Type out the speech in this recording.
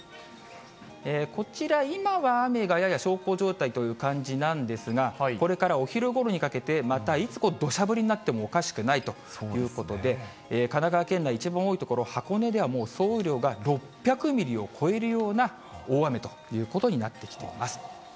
こちら、今は雨がやや小康状態という感じなんですが、これからお昼ごろにかけて、またいつ、どしゃ降りになってもおかしくないということで、神奈川県内、一番多い所、箱根ではもう総雨量が６００ミリを超えるような大雨ということになってきています。